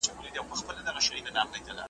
د مېرمني چي بینا سوې دواړي سترګي `